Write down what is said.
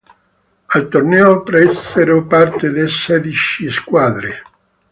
Al torneo presero parte sedici squadre.